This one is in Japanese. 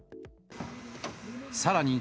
さらに、